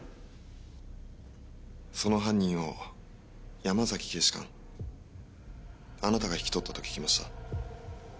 その犯人を山崎警視監あなたが引き取ったと聞きました。